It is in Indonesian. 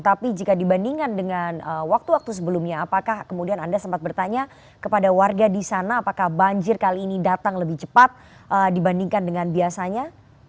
tapi jika dibandingkan dengan waktu waktu sebelumnya apakah kemudian anda sempat bertanya kepada warga di sana apakah banjir kali ini datang lebih cepat dibandingkan dengan biasanya